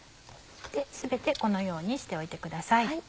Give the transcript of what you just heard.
全てこのようにしておいてください。